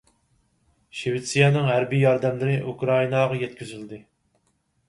شىۋېتسىيەنىڭ ھەربىي ياردەملىرى ئۇكرائىناغا يەتكۈزۈلدى.